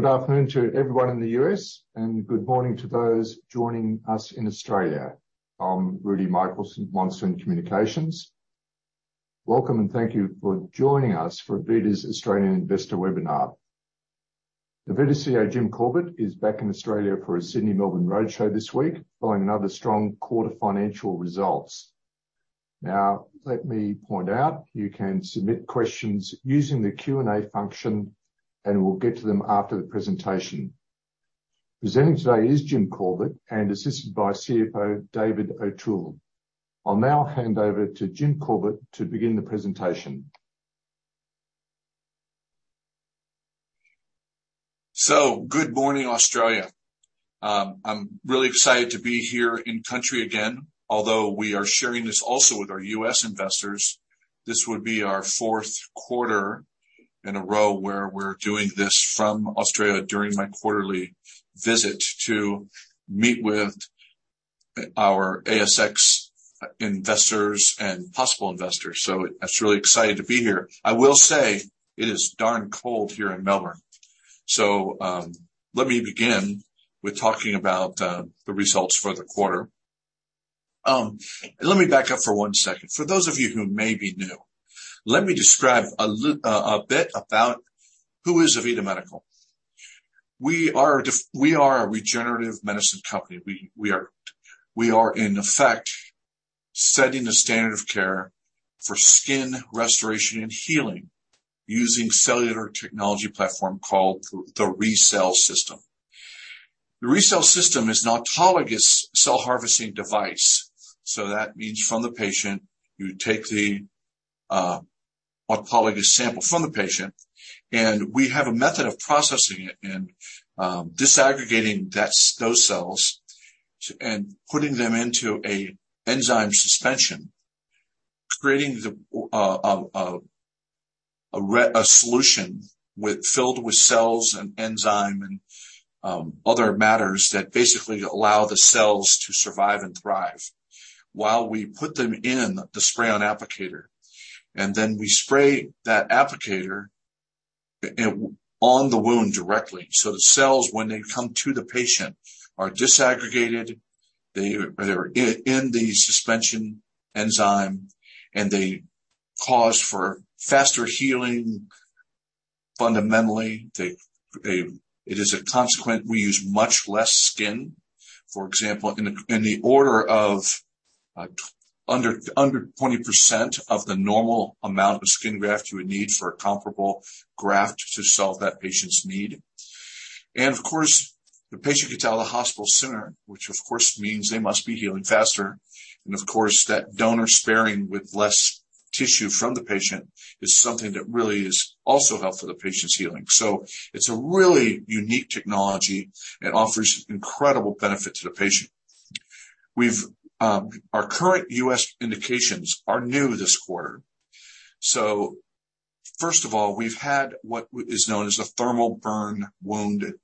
Good afternoon to everyone in the U.S. and good morning to those joining us in Australia. I'm Rudi Michelson from Monsoon Communications. Welcome, and thank you for joining us for AVITA's Australian Investor Webinar. The AVITA CEO, Jim Corbett, is back in Australia for a Sydney, Melbourne roadshow this week, following another strong quarter financial results. Now, let me point out, you can submit questions using the Q&A function, and we'll get to them after the presentation. Presenting today is Jim Corbett, and assisted by CFO David O'Toole. I'll now hand over to Jim Corbett to begin the presentation. Good morning, Australia. I'm really excited to be here in country again. Although we are sharing this also with our U.S. investors, this would be our fourth quarter in a row where we're doing this from Australia during my quarterly visit to meet with our ASX investors and possible investors. That's really excited to be here. I will say, it is darn cold here in Melbourne. Let me begin with talking about the results for the quarter. Let me back up for one second. For those of you who may be new, let me describe a bit about who is AVITA Medical. We are a we are a regenerative medicine company. We, we are, we are, in effect, setting the standard of care for skin restoration and healing using cellular technology platform called the RECELL System. The RECELL System is an autologous cell harvesting device, so that means from the patient, you take the autologous sample from the patient, and we have a method of processing it and disaggregating that, those cells and putting them into a enzyme suspension, creating the a solution with, filled with cells and enzyme and other matters that basically allow the cells to survive and thrive while we put them in the spray-on applicator, and then we spray that applicator on the wound directly. The cells, when they come to the patient, are disaggregated, they, they're in, in the suspension enzyme, and they cause for faster healing. Fundamentally. It is a consequent, we use much less skin, for example, in the, in the order of, under, under 20% of the normal amount of skin graft you would need for a comparable graft to solve that patient's need. The patient could tell the hospital sooner, which of course, means they must be healing faster. That donor sparing with less tissue from the patient is something that really is also helpful to the patient's healing. It's a really unique technology and offers incredible benefit to the patient. We've, our current U.S. indications are new this quarter. First of all, we've had what is known as a thermal burn wound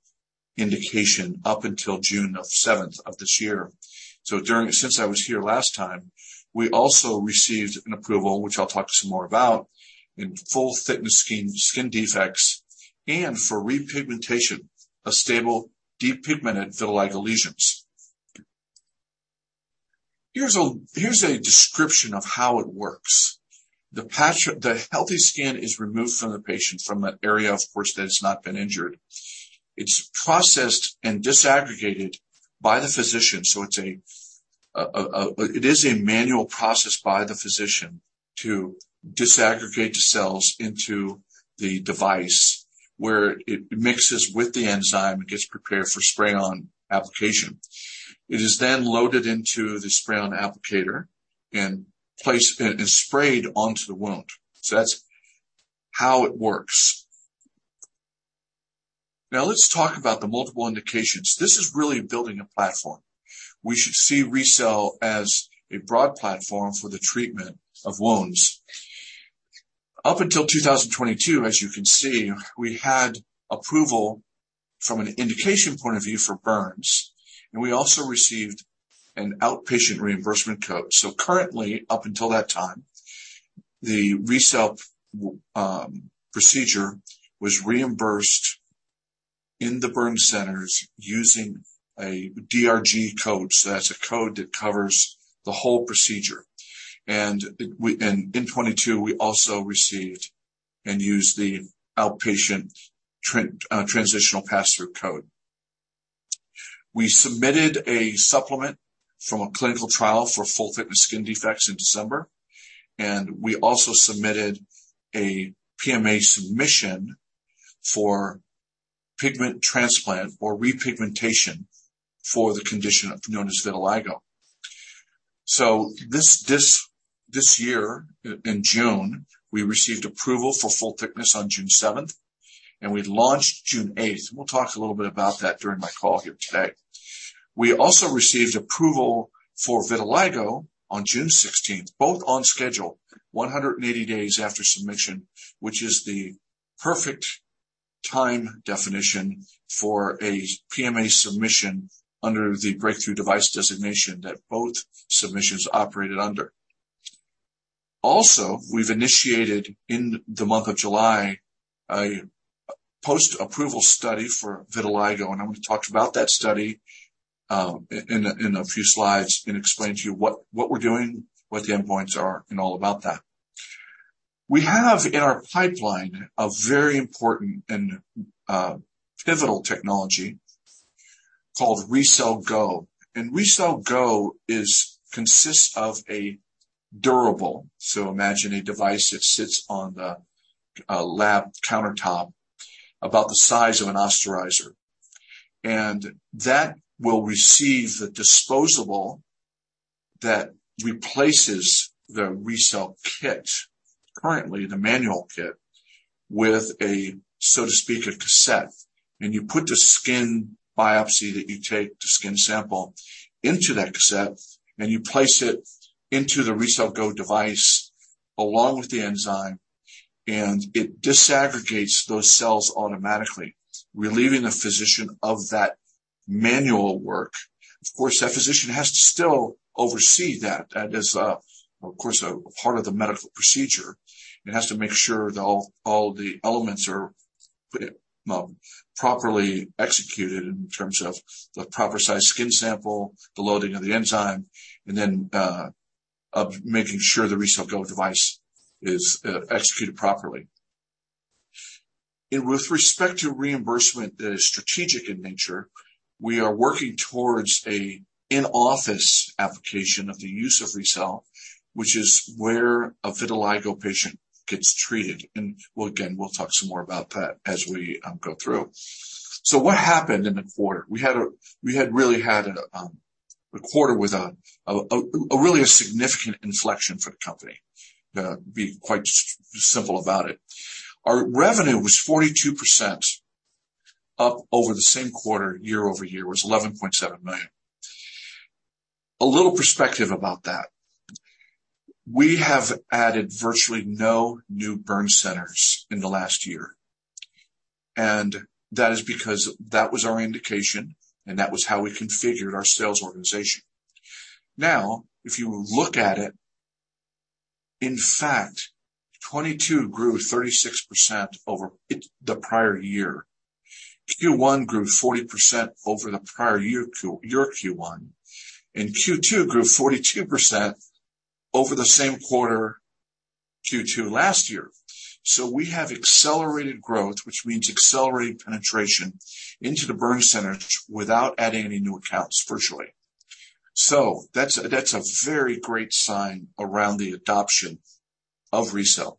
indication up until June 7th of this year. During, since I was here last time, we also received an approval, which I'll talk some more about, in full-thickness skin defects and for repigmentation of stable, depigmented vitiligo lesions. Here's a description of how it works. The healthy skin is removed from the patient, from the area, of course, that it's not been injured. It's processed and disaggregated by the physician, so it is a manual process by the physician to disaggregate the cells into the device, where it mixes with the enzyme and gets prepared for spray-on application. It is then loaded into the spray-on applicator and placed, and sprayed onto the wound. That's how it works. Let's talk about the multiple indications. This is really building a platform. We should see RECELL as a broad platform for the treatment of wounds. Up until 2022, as you can see, we had approval from an indication point of view for burns. We also received an outpatient reimbursement code. Currently, up until that time, the RECELL procedure was reimbursed in the burn centers using a DRG code. That's a code that covers the whole procedure. In 2022, we also received and used the outpatient transitional pass-through code. We submitted a supplement from a clinical trial for full-thickness skin defects in December. We also submitted a PMA submission for pigment transplant or repigmentation for the condition known as vitiligo. This year, in June, we received approval for full-thickness on June 7th. We launched June 8th. We'll talk a little bit about that during my call here today. We also received approval for vitiligo on June 16th, both on schedule, 180 days after submission, which is the perfect time definition for a PMA submission under the Breakthrough Device designation that both submissions operated under. Also, we've initiated in the month of July, a post-approval study for vitiligo, and I'm going to talk about that study in a few slides and explain to you what we're doing, what the endpoints are, and all about that. We have in our pipeline a very important and pivotal technology called RECELL GO. RECELL GO is, consists of a durable, so imagine a device that sits on the lab countertop about the size of an Osterizer, and that will receive the disposable that replaces the RECELL kit, currently the manual kit, with a, so to speak, a cassette. You put the skin biopsy that you take, the skin sample, into that cassette, and you place it into the RECELL GO device along with the enzyme, and it disaggregates those cells automatically, relieving the physician of that manual work. Of course, that physician has to still oversee that. That is, of course, a part of the medical procedure, and has to make sure that all, all the elements are properly executed in terms of the proper size skin sample, the loading of the enzyme, and then, of making sure the RECELL GO device is executed properly. With respect to reimbursement that is strategic in nature, we are working towards a in-office application of the use of RECELL, which is where a vitiligo patient gets treated. We'll again, we'll talk some more about that as we go through. What happened in the quarter? We really had a quarter with a really significant inflection for the company, to be quite simple about it. Our revenue was 42% up over the same quarter, year-over-year, was $11.7 million. A little perspective about that. We have added virtually no new burn centers in the last year, and that is because that was our indication, and that was how we configured our sales organization. If you look at it, in fact, 2022 grew 36% over the prior year. Q1 grew 40% over the prior year Q1, and Q2 grew 42% over the same quarter, Q2 last year. We have accelerated growth, which means accelerated penetration into the burn centers without adding any new accounts, virtually. That's a very great sign around the adoption of RECELL.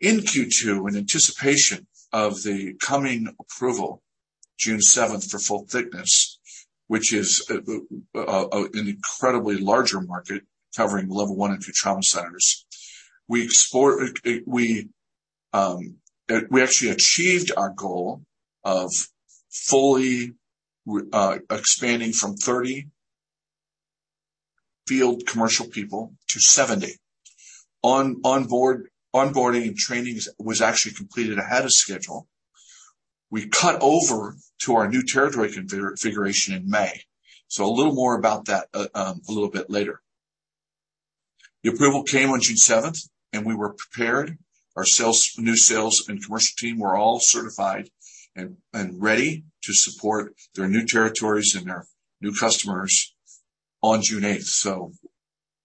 In Q2, in anticipation of the coming approval, June 7th, for full-thickness, which is an incredibly larger market covering level one and two trauma centers. We actually achieved our goal of fully re-expanding from 30 field commercial people to 70. Onboarding and training was actually completed ahead of schedule. We cut over to our new territory configuration in May. A little more about that a little bit later. The approval came on June 7th, and we were prepared. Our sales, new sales and commercial team were all certified and ready to support their new territories and their new customers on June 8th.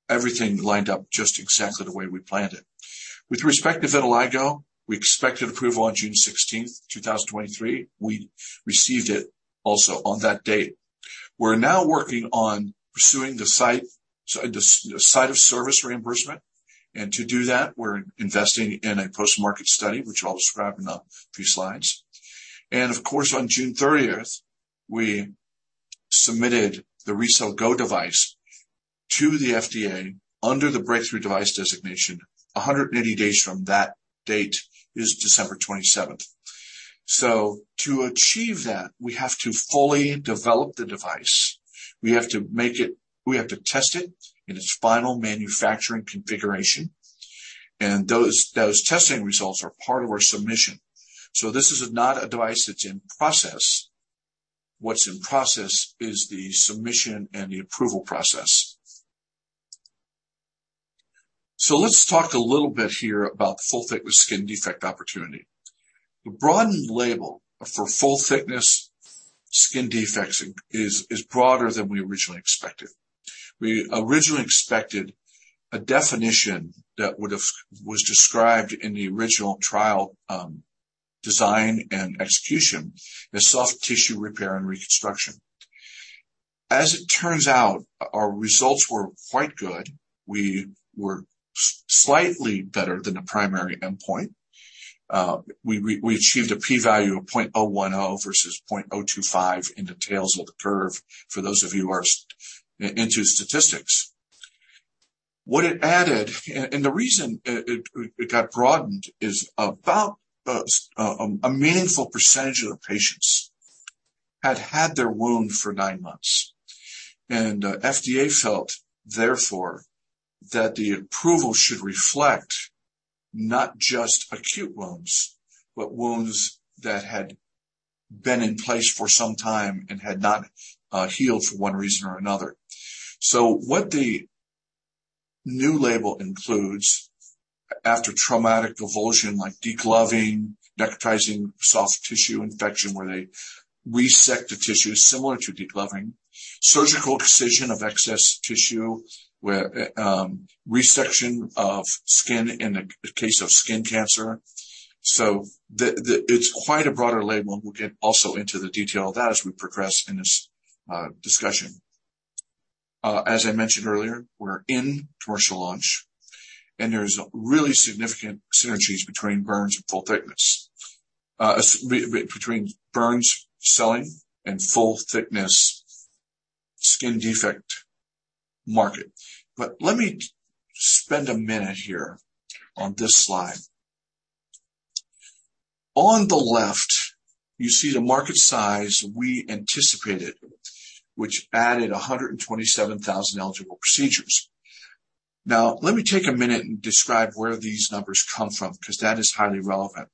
Everything lined up just exactly the way we planned it. With respect to vitiligo, we expected approval on June 16th, 2023. We received it also on that date. We're now working on pursuing the site, the site of service reimbursement, and to do that, we're investing in a postmarket study, which I'll describe in a few slides. Of course, on June 30th, we submitted the RECELL GO device to the FDA under the Breakthrough Device designation. 180 days from that date is December 27th. To achieve that, we have to fully develop the device. We have to make it... We have to test it in its final manufacturing configuration, and those, those testing results are part of our submission. This is not a device that's in process. What's in process is the submission and the approval process. Let's talk a little bit here about the full-thickness skin defect opportunity. The broadened label for full-thickness skin defects is broader than we originally expected. We originally expected a definition that was described in the original trial design and execution as soft tissue repair and reconstruction. As it turns out, our results were quite good. We were slightly better than the primary endpoint. We achieved a p-value of 0.010 versus 0.025 in the tails of the curve, for those of you who are into statistics. What it added, and the reason it got broadened is about a meaningful percentage of the patients had had their wound for nine months, and FDA felt, therefore, that the approval should reflect not just acute wounds, but wounds that had been in place for some time and had not healed for one reason or another. What the new label includes, after traumatic avulsion, like degloving, necrotizing soft tissue infection, where they resect the tissue similar to degloving, surgical excision of excess tissue, where resection of skin in the case of skin cancer. It's quite a broader label, and we'll get also into the detail of that as we progress in this discussion. As I mentioned earlier, we're in commercial launch, and there's really significant synergies between burns and full-thickness, between burns selling and full-thickness skin defect market. Let me spend a minute here on this slide. On the left, you see the market size we anticipated, which added 127,000 eligible procedures. Now, let me take a minute and describe where these numbers come from, because that is highly relevant.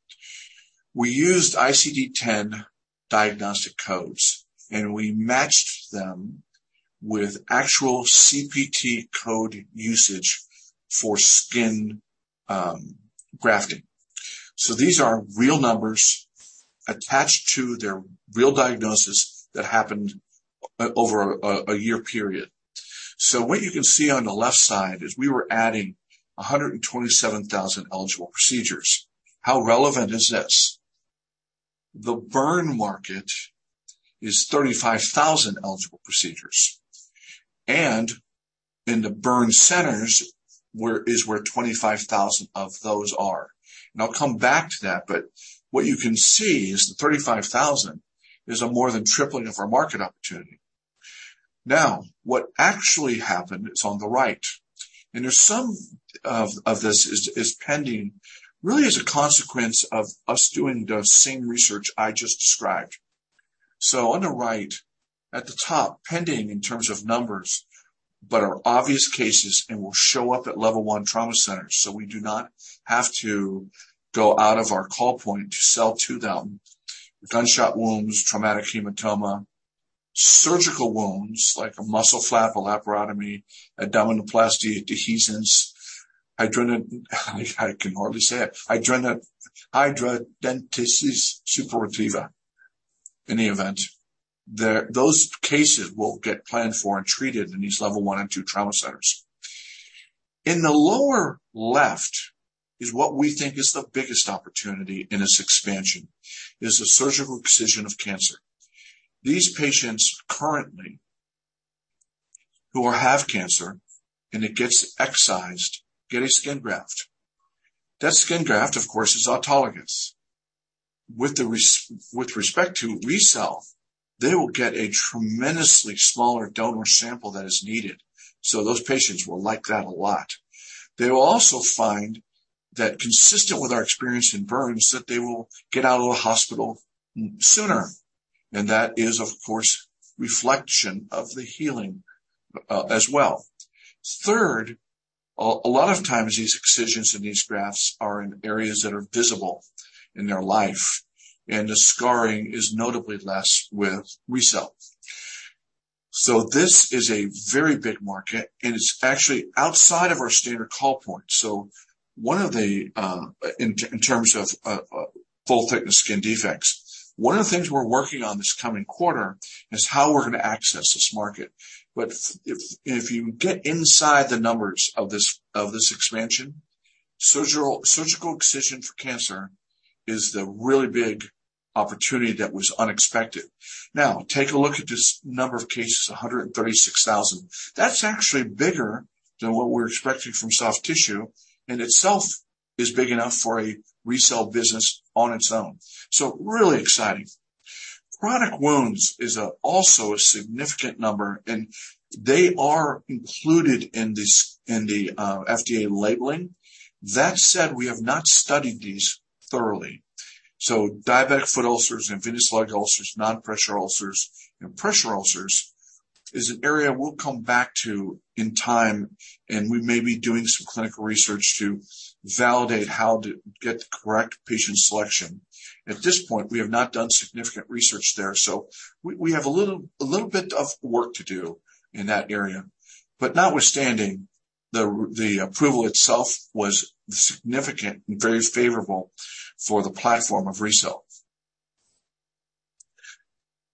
We used ICD-10 diagnostic codes, we matched them with actual CPT code usage for skin grafting. These are real numbers attached to their real diagnosis that happened over a year period. What you can see on the left side is we were adding 127,000 eligible procedures. How relevant is this? The burn market is 35,000 eligible procedures, in the burn centers, is where 25,000 of those are, I'll come back to that. What you can see is the 35,000 is a more than tripling of our market opportunity. What actually happened is on the right, there's some of this is pending, really as a consequence of us doing the same research I just described. On the right at the top, pending in terms of numbers, but are obvious cases and will show up at level one trauma centers. We do not have to go out of our call point to sell to them. Gunshot wounds, traumatic hematoma, surgical wounds like a muscle flap, a laparotomy, abdominoplasty, dehiscence, hydrone-- I can hardly say it. Hydrone, hidradenitis suppurativa. In any event, those cases will get planned for and treated in these level one and two trauma centers. In the lower left is what we think is the biggest opportunity in this expansion, is the surgical excision of cancer. These patients currently who have cancer and it gets excised, get a skin graft. That skin graft, of course, is autologous. With the res... With respect to RECELL, they will get a tremendously smaller donor sample than is needed. Those patients will like that a lot. They will also find that consistent with our experience in burns, that they will get out of the hospital sooner, and that is, of course, reflection of the healing, as well. Third, a lot of times, these excisions and these grafts are in areas that are visible in their life, and the scarring is notably less with RECELL. This is a very big market, and it's actually outside of our standard call point. One of the, in terms of, full-thickness skin defects, one of the things we're working on this coming quarter is how we're going to access this market. If, if you get inside the numbers of this, of this expansion, surgical, surgical excision for cancer is the really big opportunity that was unexpected. Take a look at this number of cases, 136,000. That's actually bigger than what we're expecting from soft tissue and itself is big enough for a RECELL business on its own. Really exciting. Chronic wounds is also a significant number, and they are included in this, in the FDA labeling. That said, we have not studied these thoroughly. Diabetic foot ulcers, venous leg ulcers, non-pressure ulcers, and pressure ulcers is an area we'll come back to in time, and we may be doing some clinical research to validate how to get the correct patient selection. At this point, we have not done significant research there, so we, we have a little, a little bit of work to do in that area. Notwithstanding, the, the approval itself was significant and very favorable for the platform of RECELL.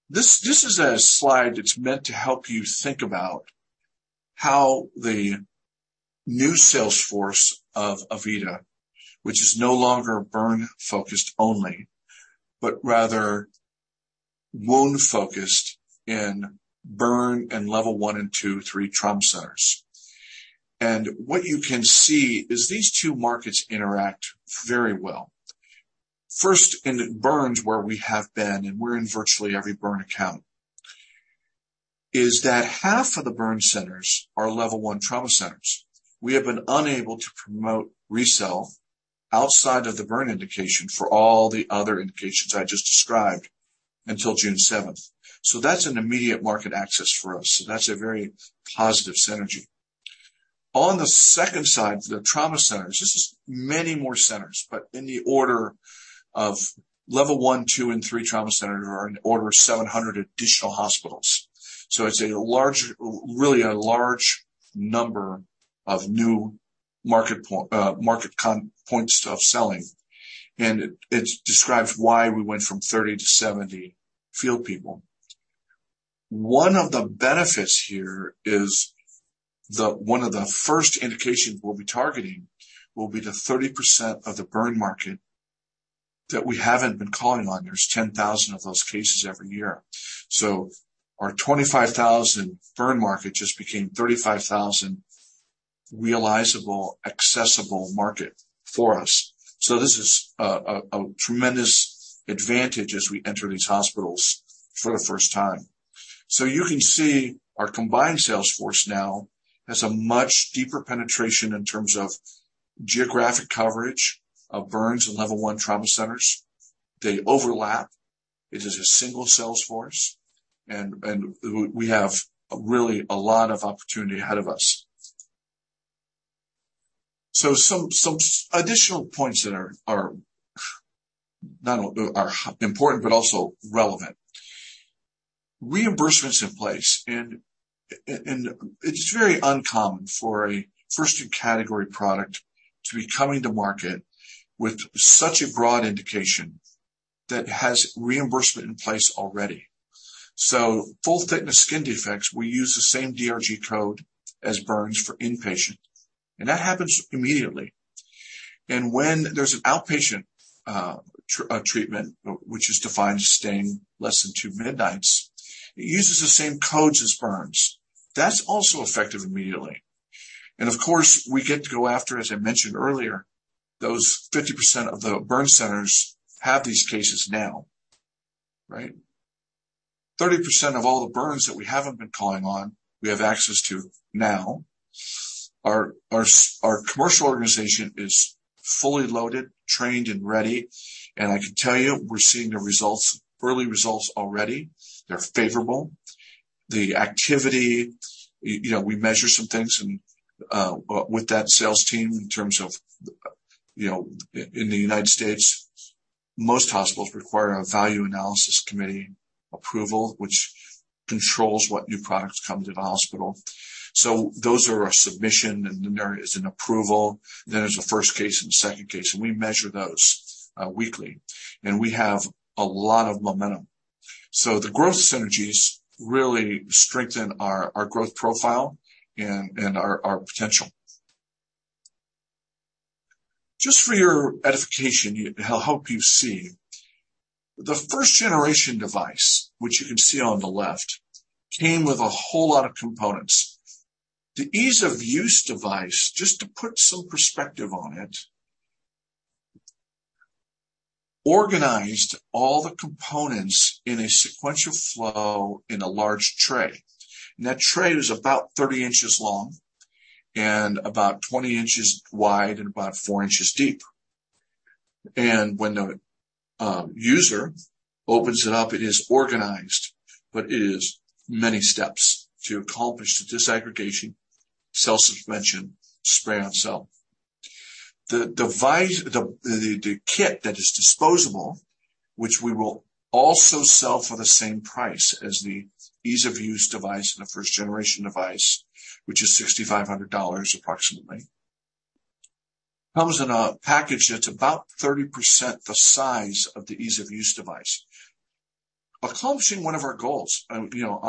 This, this is a slide that's meant to help you think about how the new sales force of AVITA, which is no longer burn-focused only, but rather wound-focused in burn and level one, two and three trauma centers. What you can see is these two markets interact very well. First, in the burns, where we have been, and we're in virtually every burn account, is that half of the burn centers are level one trauma centers. We have been unable to promote RECELL outside of the burn indication for all the other indications I just described until June 7. That's an immediate market access for us, so that's a very positive synergy. On the second side, the trauma centers, this is many more centers, but in the order of level one, two and three trauma centers are in order of 700 additional hospitals. It's a large, really a large number of new market point, market con points of selling, and it describes why we went from 30 to 70 field people. One of the benefits here is one of the first indications we'll be targeting will be the 30% of the burn market that we haven't been calling on. There's 10,000 of those cases every year. Our 25,000 burn market just became 35,000 realizable, accessible market for us. This is a, a, a tremendous advantage as we enter these hospitals for the first time. You can see our combined sales force now has a much deeper penetration in terms of geographic coverage of burns and level one trauma centers. They overlap. It is a single sales force, and we have really a lot of opportunity ahead of us. Some additional points that are not only important but also relevant. Reimbursement's in place, and it's very uncommon for a first-in-category product to be coming to market with such a broad indication that has reimbursement in place already. Full-thickness skin defects, we use the same DRG code as burns for inpatient, and that happens immediately. When there's an outpatient treatment, which is defined as staying less than two midnights, it uses the same codes as burns. That's also effective immediately. Of course, we get to go after, as I mentioned earlier, those 50% of the burn centers have these cases now, right? 30% of all the burns that we haven't been calling on, we have access to now. Our, our, our commercial organization is fully loaded, trained, and ready, and I can tell you, we're seeing the results, early results already. They're favorable. The activity, you know, we measure some things and, with that sales team, in terms of, you know, in the United States, most hospitals require a value analysis committee approval, which controls what new products come to the hospital. Those are our submission, and then there is an approval, then there's a first case and a second case, and we measure those, weekly, and we have a lot of momentum. The growth synergies really strengthen our, our growth profile and, and our, our potential. Just for your edification, it'll help you see. The first-generation device, which you can see on the left, came with a whole lot of components. The ease-of-use device, just to put some perspective on it, organized all the components in a sequential flow in a large tray, and that tray is about 30 inches long and about 20 inches wide and about four inches deep. When the user opens it up, it is organized, but it is many steps to accomplish the disaggregation, cell suspension, spray on cell. The device, the kit that is disposable, which we will also sell for the same price as the ease-of-use device and the first-generation device, which is $6,500, approximately, comes in a package that's about 30% the size of the ease-of-use device. Accomplishing one of our goals, you know,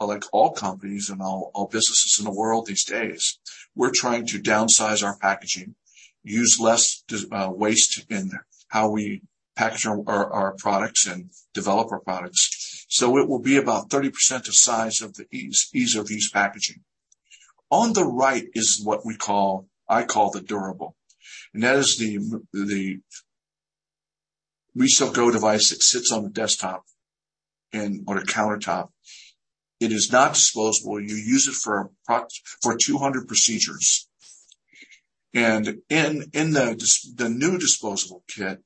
like all companies and all, all businesses in the world these days, we're trying to downsize our packaging, use less waste in how we package our, our products and develop our products. It will be about 30% the size of the ease-of-use packaging. On the right is what we call, I call the durable, and that is the RECELL GO device that sits on the desktop and on a countertop. It is not disposable. You use it for 200 procedures, and in the new disposable kit,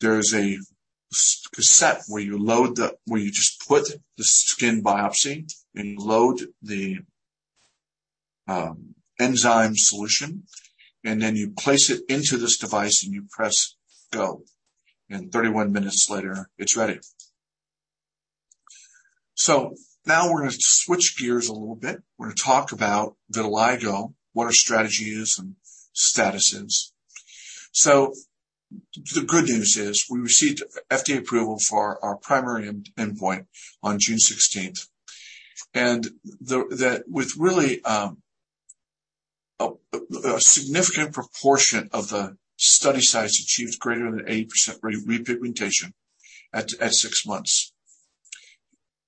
there's a cassette where you load the where you just put the skin biopsy and load the enzyme solution, and then you place it into this device, and you press go, and 31 minutes later, it's ready. Now we're going to switch gears a little bit. We're going to talk about vitiligo, what our strategy is and status is. The good news is we received FDA approval for our primary end, endpoint on June 16th, and that with really a significant proportion of the study size achieved greater than 80% repigmentation at six months.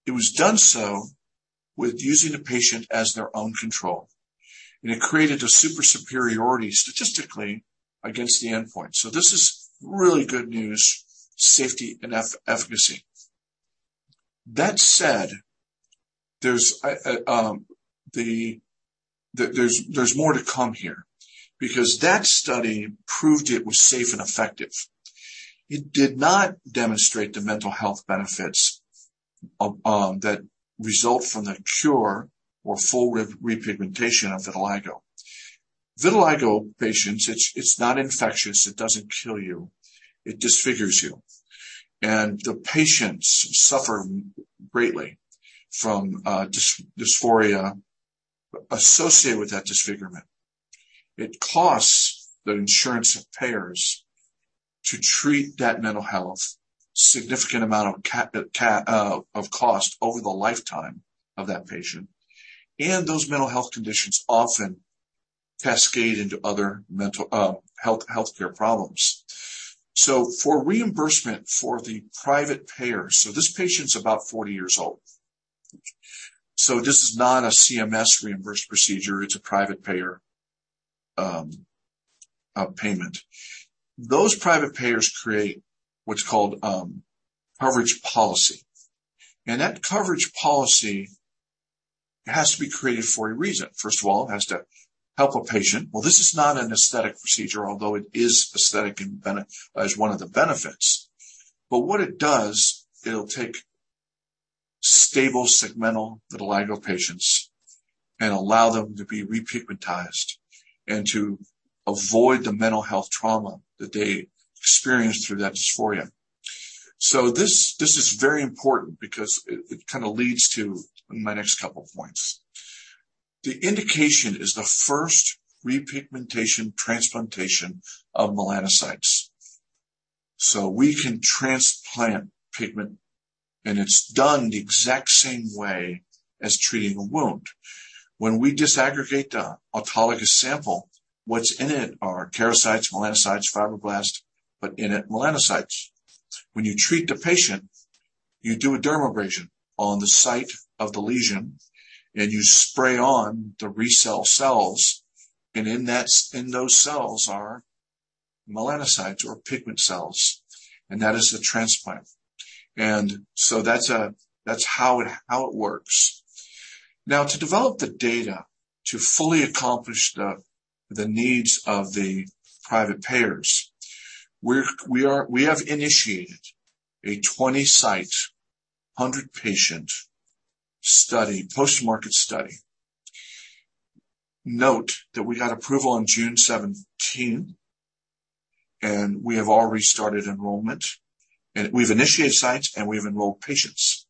It was done so with using the patient as their own control, and it created a super superiority statistically against the endpoint. This is really good news, safety, and efficacy. That said, there's more to come here because that study proved it was safe and effective. It did not demonstrate the mental health benefits that result from the cure or full repigmentation of vitiligo. Vitiligo patients, it's, it's not infectious, it doesn't kill you, it disfigures you. The patients suffer greatly from dysphoria associated with that disfigurement. It costs the insurance payers to treat that mental health, significant amount of cost over the lifetime of that patient, and those mental health conditions often cascade into other mental health, healthcare problems. For reimbursement for the private payers, this patient's about 40 years old. This is not a CMS reimbursed procedure, it's a private payer payment. Those private payers create what's called, coverage policy, and that coverage policy has to be created for a reason. First of all, it has to help a patient. Well, this is not an aesthetic procedure, although it is aesthetic as one of the benefits. What it does, it'll take stable, segmental vitiligo patients and allow them to be repigmentized and to avoid the mental health trauma that they experience through that dysphoria. This, this is very important because it, it kinda leads to my next couple of points. The indication is the first repigmentation transplantation of melanocytes. We can transplant pigment, and it's done the exact same way as treating a wound. When we disaggregate the autologous sample, what's in it are keratinocytes, melanocytes, fibroblasts, but in it, melanocytes. When you treat the patient, you do a dermabrasion on the site of the lesion, and you spray on the RECELL cells, and in that, in those cells are melanocytes or pigment cells, and that is the transplant. So that's, that's how it, how it works. Now, to develop the data to fully accomplish the, the needs of the private payers, we're, we have initiated a 20-site, 100-patient study, postmarket study. Note that we got approval on June 17th, and we have already started enrollment, and we've initiated sites, and we have enrolled patients.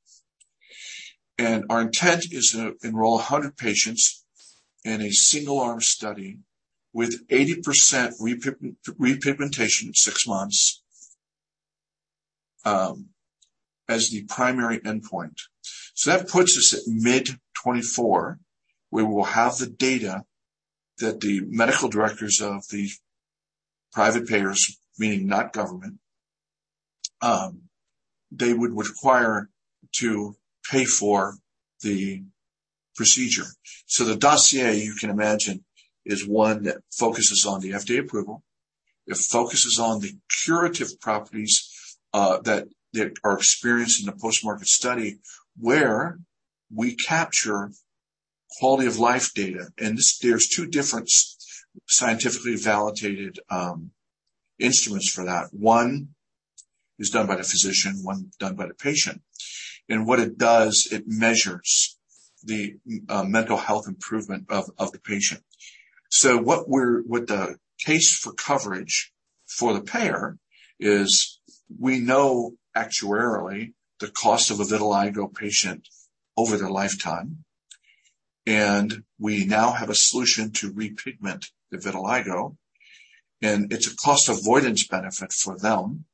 Our intent is to enroll 100 patients in a single-arm study with 80% repigmentation in 6 months as the primary endpoint. That puts us at mid-2024, we will have the data that the medical directors of the private payers, meaning not government, they would require to pay for the procedure. The dossier, you can imagine, is one that focuses on the FDA approval. It focuses on the curative properties, that, that are experienced in the post-market study, where we capture quality of life data. There's two different scientifically validated instruments for that. One is done by the physician, one done by the patient. What it does, it measures the mental health improvement of, of the patient. What the case for coverage for the payer is we know actuarially the cost of a vitiligo patient over their lifetime, and we now have a solution to repigment the vitiligo, and it's a cost avoidance benefit for them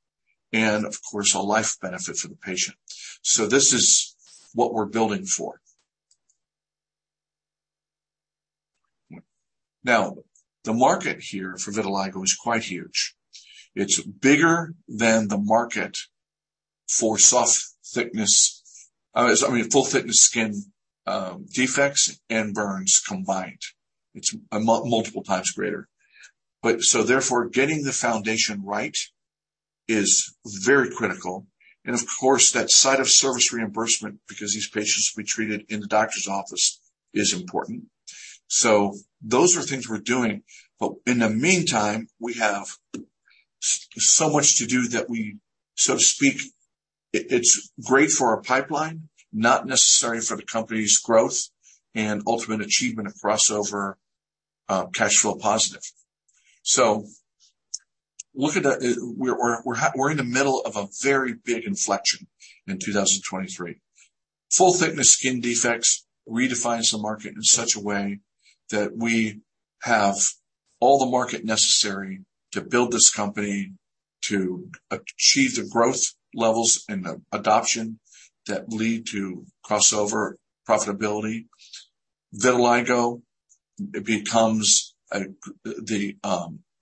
and of course, a life benefit for the patient. This is what we're building for. The market here for vitiligo is quite huge. It's bigger than the market for soft thickness, I mean, full-thickness skin defects and burns combined. It's a multiple times greater. Therefore, getting the foundation right is very critical. Of course, that site-of-service reimbursement, because these patients will be treated in the doctor's office, is important. Those are things we're doing. In the meantime, we have so much to do that we, so to speak, it's great for our pipeline, not necessary for the company's growth and ultimate achievement of crossover, cash flow positive. Look at the... We're, we're, we're in the middle of a very big inflection in 2023. Full-thickness skin defects redefines the market in such a way that we have all the market necessary to build this company to achieve the growth levels and the adoption that lead to crossover profitability. Vitiligo, it becomes the,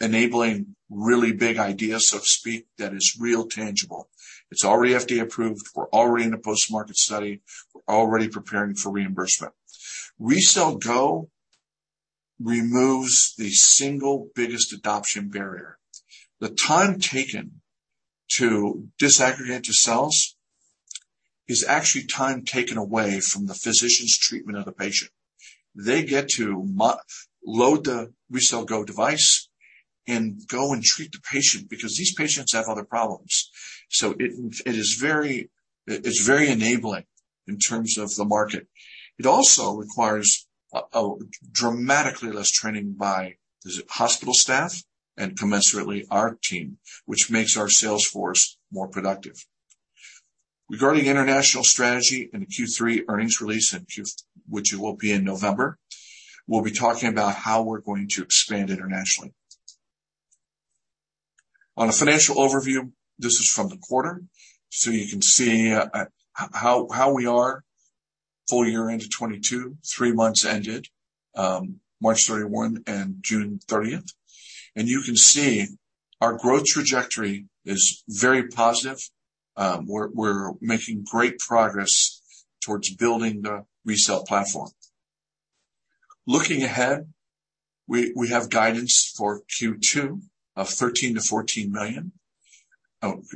enabling really big idea, so to speak, that is real tangible. It's already FDA approved, we're already in a post-market study, we're already preparing for reimbursement. RECELL GO removes the single biggest adoption barrier. The time taken to disaggregate the cells is actually time taken away from the physician's treatment of the patient. They get to load the RECELL GO device and go and treat the patient because these patients have other problems. It's very enabling in terms of the market. It also requires a dramatically less training by the hospital staff and commensurately our team, which makes our sales force more productive. Regarding international strategy and the Q3 earnings release, which will be in November, we'll be talking about how we're going to expand internationally. On a financial overview, this is from the quarter. You can see how we are full year into 2022, three months ended March 31 and June 30th. You can see our growth trajectory is very positive. We're, we're making great progress towards building the RECELL platform. Looking ahead, we, we have guidance for Q2 of $13 million-$14 million,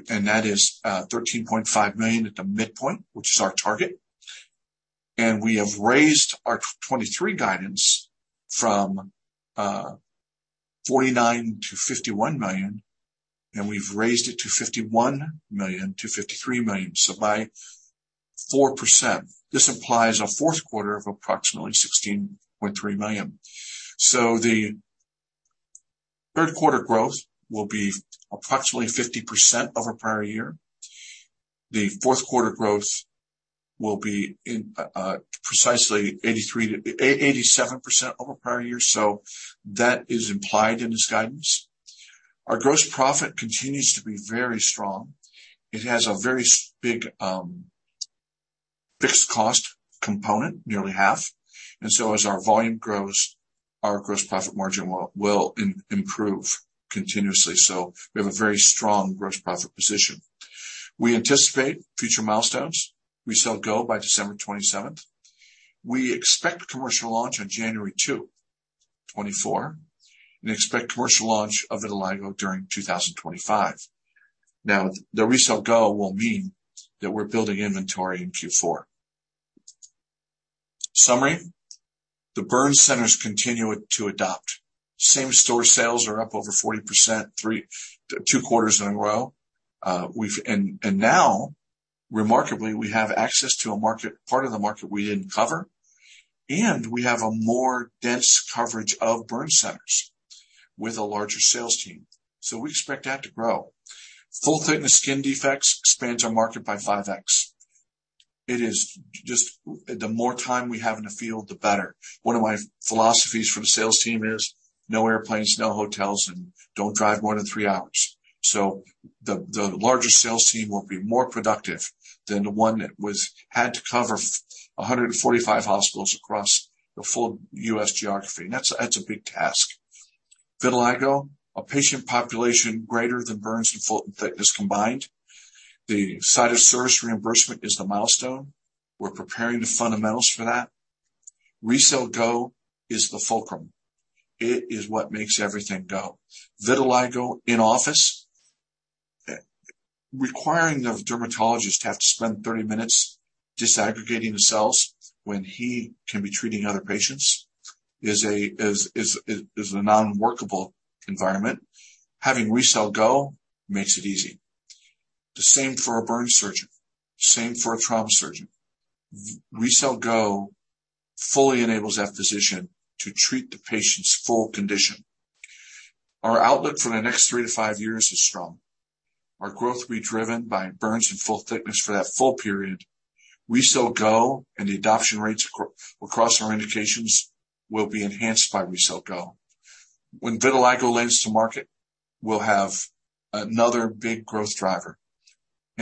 and that is $13.5 million at the midpoint, which is our target. We have raised our 2023 guidance from $49 million-$51 million, and we've raised it to $51 million-$53 million, so by 4%. This implies a fourth quarter of approximately $16.3 million. The third quarter growth will be approximately 50% over prior year. The fourth quarter growth will be in precisely 83%-87% over prior year, so that is implied in this guidance. Our gross profit continues to be very strong. It has a very big fixed cost component, nearly half, and so as our volume grows, our gross profit margin will improve continuously. We have a very strong gross profit position. We anticipate future milestones. RECELL GO by December 27th. We expect commercial launch on January 2, 2024, and expect commercial launch of the vitiligo during 2025. The RECELL GO will mean that we're building inventory in Q4. Summary, the burn centers continue to adopt. Same-store sales are up over 40%, two quarters in a row. We've and, and now, remarkably, we have access to a market, part of the market we didn't cover, and we have a more dense coverage of burn centers with a larger sales team. We expect that to grow. full-thickness skin defects expands our market by 5x. It is just, the more time we have in the field, the better. One of my philosophies for the sales team is no airplanes, no hotels, and don't drive more than three hours. The larger sales team will be more productive than the one that had to cover 145 hospitals across the full U.S. geography, and that's, that's a big task. Vitiligo, a patient population greater than burns and full-thickness combined. The site-of-service reimbursement is the milestone. We're preparing the fundamentals for that. RECELL GO is the fulcrum. It is what makes everything go. Vitiligo in office, requiring the dermatologist to have to spend 30 minutes disaggregating the cells when he can be treating other patients is a non-workable environment. Having RECELL GO makes it easy. The same for a burn surgeon, same for a trauma surgeon. RECELL GO fully enables that physician to treat the patient's full condition. Our outlook for the next three to five years is strong. Our growth will be driven by burns and full thickness for that full period. RECELL GO. The adoption rates across our indications will be enhanced by RECELL GO. When vitiligo launches to market, we'll have another big growth driver.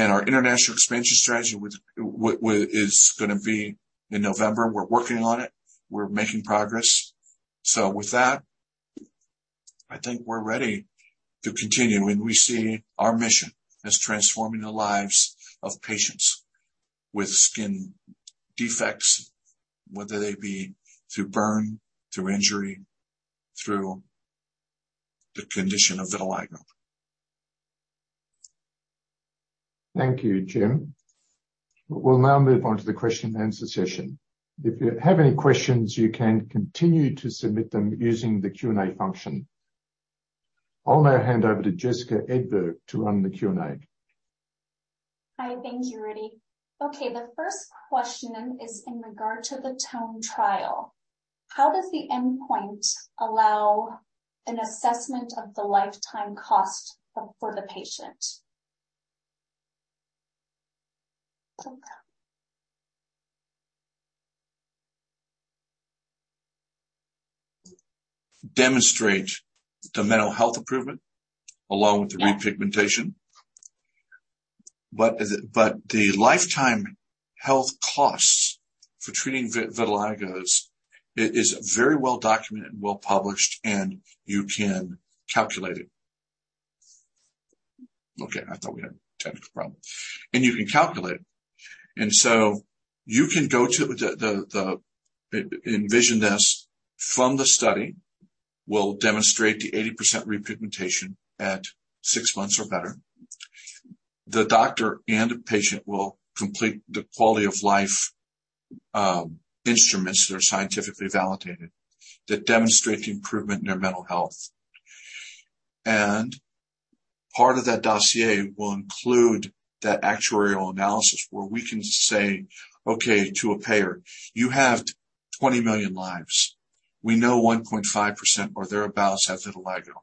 Our international expansion strategy, which is gonna be in November. We're working on it. We're making progress. With that, I think we're ready to continue. We see our mission as transforming the lives of patients with skin defects, whether they be through burn, through injury, through the condition of vitiligo. Thank you, Jim. We'll now move on to the question and answer session. If you have any questions, you can continue to submit them using the Q&A function. I'll now hand over to Jessica Ekeberg to run the Q&A. Hi. Thank you, Rudi. Okay, the first question is in regard to the TONE trial. How does the endpoint allow an assessment of the lifetime cost for the patient? Demonstrate the mental health improvement along with the repigmentation. The lifetime health costs for treating vitiligo is very well documented and well published, and you can calculate it. Okay, I thought we had a technical problem. You can calculate it. You can go to the... Envision this from the study will demonstrate the 80% repigmentation at six months or better. The doctor and the patient will complete the quality of life instruments that are scientifically validated, that demonstrate the improvement in their mental health. Part of that dossier will include that actuarial analysis, where we can say, okay, to a payer, you have 20 million lives. We know 1.5% or thereabouts, have vitiligo.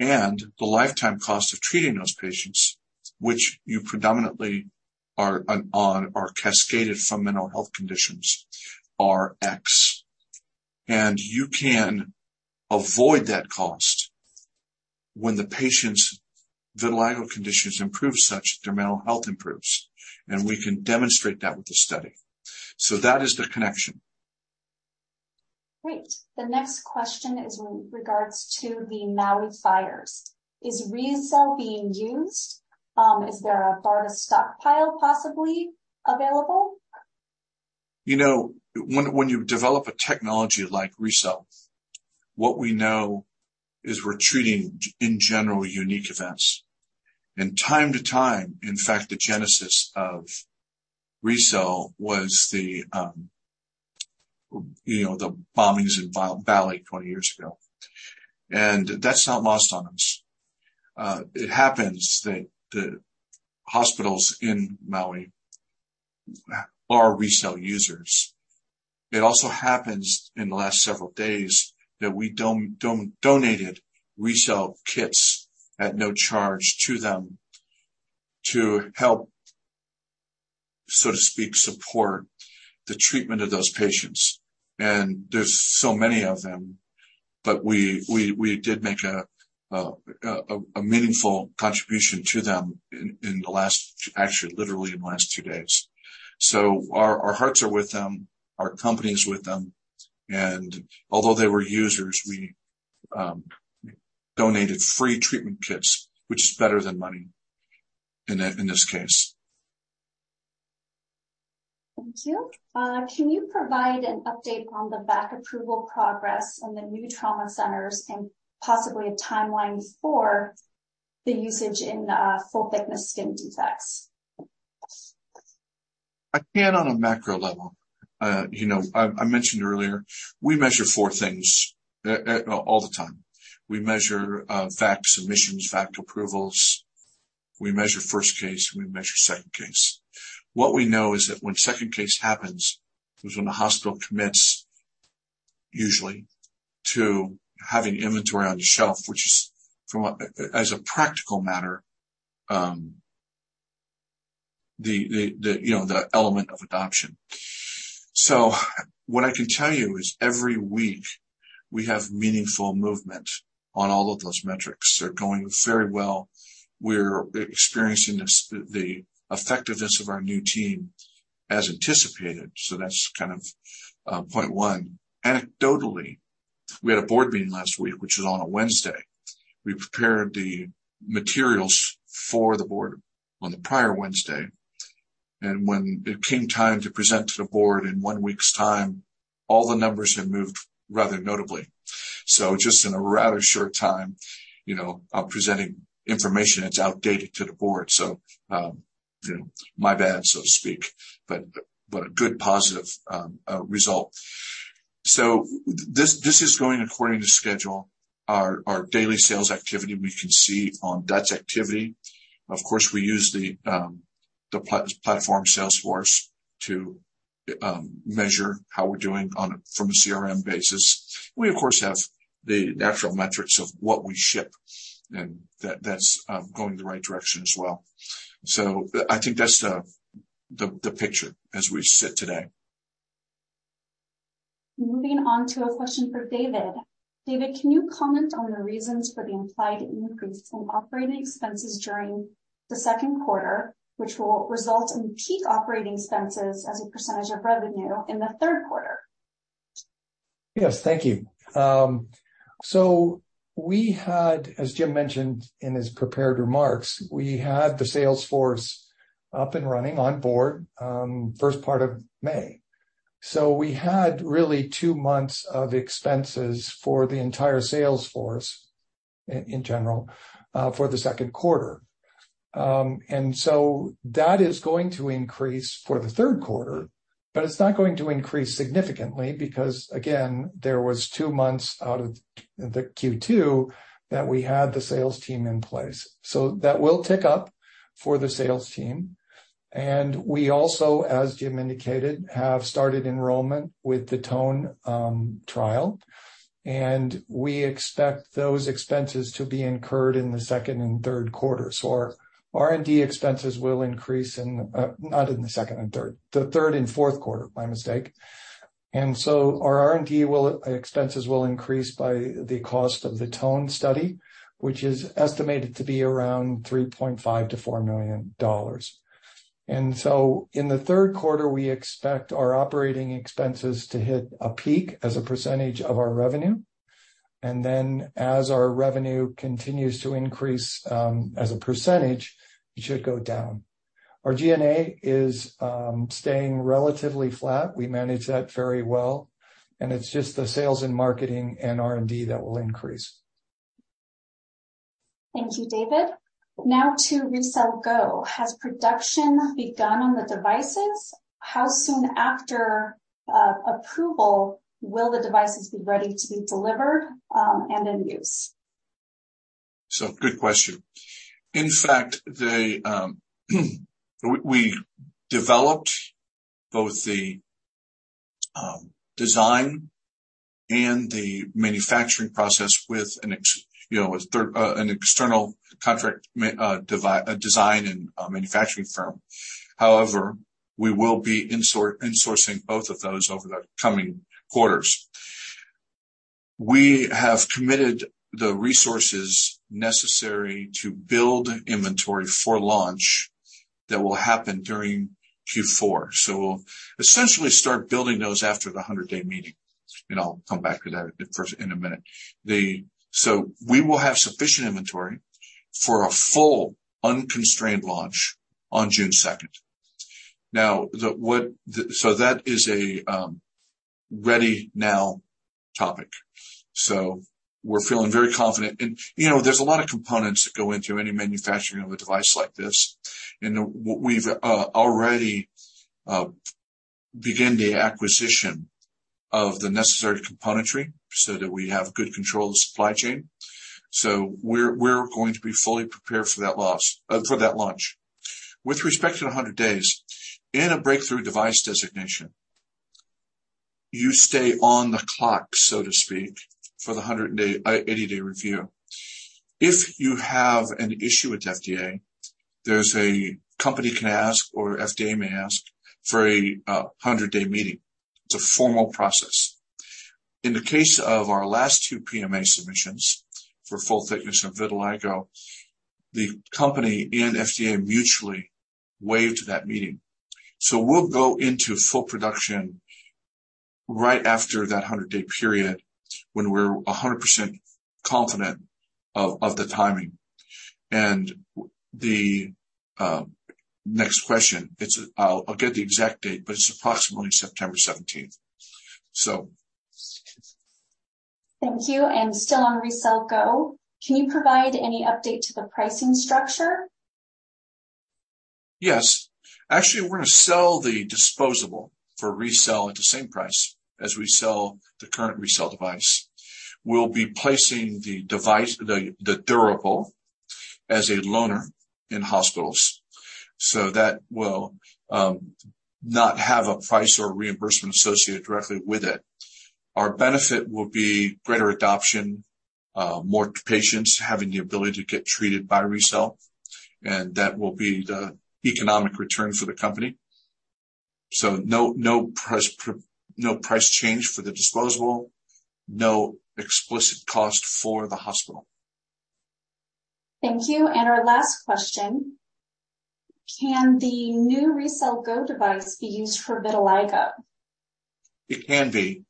The lifetime cost of treating those patients, which you predominantly are on, are cascaded from mental health conditions, are X, and you can avoid that cost when the patient's vitiligo conditions improve, such their mental health improves, and we can demonstrate that with the study. That is the connection. Great. The next question is in regards to the Maui fires. Is RECELL being used? Is there a BARDA stockpile possibly available? You know, when, when you develop a technology like RECELL, what we know is we're treating, in general, unique events. Time to time, in fact, the genesis of RECELL was the, you know, the bombings in Bali 20 years ago, and that's not lost on us. It happens that the hospitals in Maui are RECELL users. It also happens in the last several days that we donated RECELL kits at no charge to them to help, so to speak, support the treatment of those patients. There's so many of them, but we, we, we did make a, a, a meaningful contribution to them in, in the last, actually, literally in the last two days. Our, our hearts are with them, our company is with them, and although they were users, we donated free treatment kits, which is better than money in that, in this case. Thank you. Can you provide an update on the VAC approval progress on the new trauma centers and possibly a timeline for the usage in the full-thickness skin defects? I can on a macro level. You know, I, I mentioned earlier, we measure four things, all the time. We measure VAC submissions, VAC approvals, we measure first case, and we measure second case. What we know is that when second case happens, is when the hospital commits, usually, to having inventory on the shelf, which is from a, as a practical matter, the, the, the, you know, the element of adoption. What I can tell you is every week we have meaningful movement on all of those metrics. They're going very well. We're experiencing this, the effectiveness of our new team as anticipated. That's kind of, point one. Anecdotally, we had a board meeting last week, which is on a Wednesday. We prepared the materials for the board on the prior Wednesday, and when it came time to present to the board in one week's time, all the numbers had moved rather notably. Just in a rather short time, you know, presenting information that's outdated to the board. You know, my bad, so to speak, but, but a good positive result. This, this is going according to schedule. Our, our daily sales activity, we can see on touch activity. Of course, we use the platform Salesforce to measure how we're doing on a, from a CRM basis. We, of course, have the natural metrics of what we ship, and that, that's going in the right direction as well. I think that's the, the, the picture as we sit today. Moving on to a question for David. David, can you comment on the reasons for the implied increase in operating expenses during the second quarter, which will result in peak operating expenses as a percentage of revenue in the third quarter? Yes, thank you. We had, as Jim mentioned in his prepared remarks, we had the sales force up and running on board, first part of May. We had really two months of expenses for the entire sales force in general for the second quarter. That is going to increase for the third quarter, but it's not going to increase significantly because, again, there was two months out of the Q2 that we had the sales team in place. That will tick up for the sales team. We also, as Jim indicated, have started enrollment with the TONE trial, and we expect those expenses to be incurred in the second and third quarter. Our R&D expenses will increase in not in the second and third, the third and fourth quarter, my mistake. Our R&D will... expenses will increase by the cost of the TONE study, which is estimated to be around $3.5 million-$4 million. In the third quarter, we expect our operating expenses to hit a peak as a percentage of our revenue, and then as our revenue continues to increase, as a percentage, it should go down. Our G&A is staying relatively flat. We manage that very well. It's just the sales and marketing and R&D that will increase. Thank you, David. Now to RECELL GO. Has production begun on the devices? How soon after approval will the devices be ready to be delivered, and in use? Good question. In fact, the, we, we developed both the, design and the manufacturing process with an external contract a design and manufacturing firm. However, we will be insourcing both of those over the coming quarters. We have committed the resources necessary to build inventory for launch that will happen during Q4. We'll essentially start building those after the 100 Day Meeting, and I'll come back to that in a minute. We will have sufficient inventory for a full, unconstrained launch on June 2nd. Now, that is a ready now topic, we're feeling very confident. You know, there's a lot of components that go into any manufacturing of a device like this, and we've already begin the acquisition of the necessary componentry so that we have good control of the supply chain. We're going to be fully prepared for that launch. With respect to the 100 days, in a Breakthrough Device designation, you stay on the clock, so to speak, for the 100-day 180-day review. If you have an issue with the FDA, there's a company can ask or FDA may ask for a Day-100 Meeting. It's a formal process. In the case of our last two PMA submissions for full-thickness and vitiligo, the company and FDA mutually waived that meeting. We'll go into full production right after that 100-day period, when we're 100% confident of the timing. The next question, it's, I'll, I'll get the exact date, but it's approximately September seventeenth. So. Thank you, still on RECELL GO, can you provide any update to the pricing structure? Yes. Actually, we're going to sell the disposable for RECELL at the same price as we sell the current RECELL device. We'll be placing the device, the, the durable, as a loaner in hospitals, so that will not have a price or reimbursement associated directly with it. Our benefit will be greater adoption, more patients having the ability to get treated by RECELL, and that will be the economic return for the company. No, no price no price change for the disposable, no explicit cost for the hospital. Thank you. Our last question: Can the new RECELL GO device be used for vitiligo? It can be.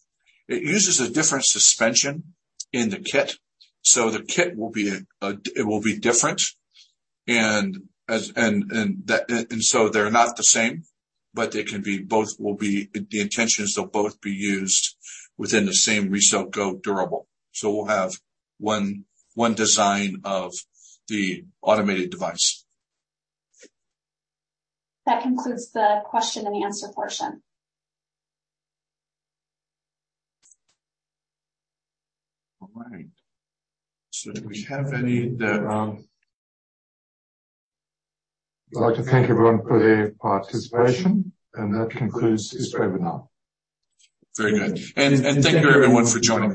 It uses a different suspension in the kit, so the kit will be a, it will be different. As they're not the same, but they can be, both will be... The intention is they'll both be used within the same RECELL GO durable. We'll have one design of the automated device. That concludes the question and answer portion. All right. I'd like to thank everyone for their participation, and that concludes this webinar. Very good. Thank you, everyone, for joining us.